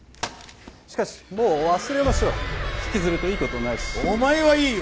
しかしもう忘れましょう引きずるといいことないしお前はいいよ